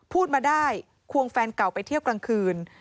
พูดมาได้ควงแฟนเก่าไปเที่ยวกลางคืน